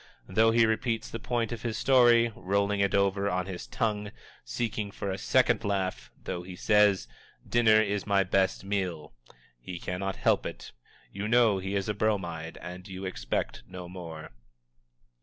though he repeats the point of his story, rolling it over on his tongue, seeking for a second laugh; though he says, "Dinner is my best meal" he cannot help it. You know he is a Bromide, and you expect no more.